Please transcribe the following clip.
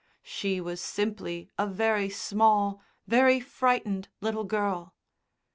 She was simply a very small, very frightened little girl.